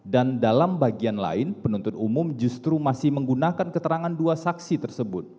dan dalam bagian lain penuntut umum justru masih menggunakan keterangan dua saksi tersebut